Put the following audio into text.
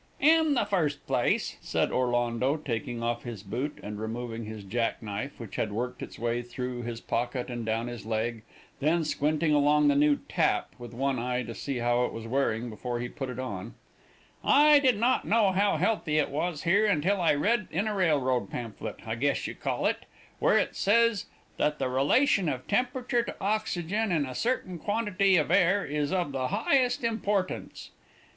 "In the first place," said Orlando, taking off his boot and removing his jack knife which had worked its way through his pocket and down his leg, then squinting along the new "tap" with one eye to see how it was wearing before he put it on, "I did not know how healthy it was here until I read in a railroad pamphlet, I guess you call it, where it says that the relation of temperature to oxygen in a certain quantity of air is of the highest importance.